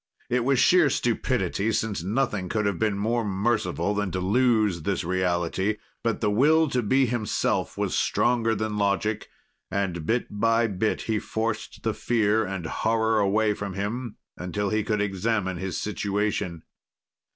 It was sheer stupidity, since nothing could have been more merciful than to lose this reality. But the will to be himself was stronger than logic. And bit by bit, he forced the fear and horror away from him until he could examine his situation.